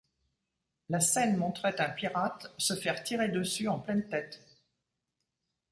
La scène montrait un pirate se faire tirer dessus en pleine tête.